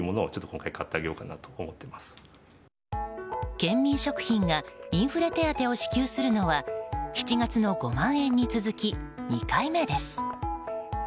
ケンミン食品がインフレ手当を支給するのは７月の５万円に続き２回目です。